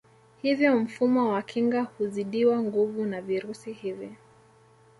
Hivyo mfumo wa kinga huzidiwa nguvu na virusi hivi